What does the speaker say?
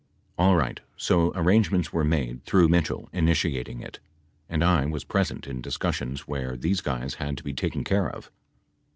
Alright so arrangements were made through Mitchell, initiating it. And I was present in discus sions where these guys had to be taken care of.